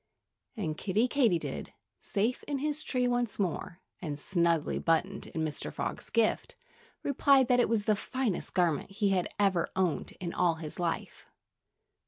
And Kiddie Katydid, safe in his tree once more, and snugly buttoned in Mr. Frog's gift, replied that it was the finest garment he had ever owned in all his life.